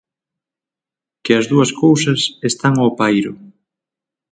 Que as dúas cousas están ao pairo.